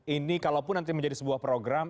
ini kalau pun nanti menjadi sebuah program